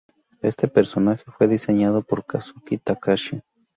Este personaje fue diseñado por Kazuki Takahashi.